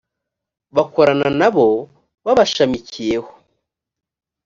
bakorana na bo babashamikiyeho